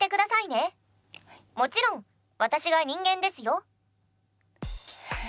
もちろん私が人間ですよ。